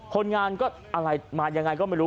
คนงานก็อะไรมายังไงก็ไม่รู้